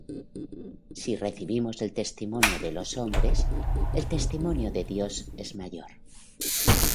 Si recibimos el testimonio de los hombres, el testimonio de Dios es mayor;